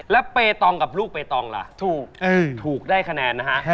แล้วเปตองกับลูกเปตองล่ะถูกได้คะแนนนะฮะ